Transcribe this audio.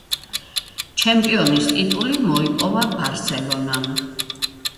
ჩემპიონის ტიტული მოიპოვა „ბარსელონამ“.